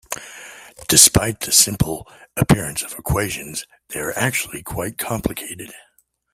Despite the simple appearance of the equations they are actually quite complicated.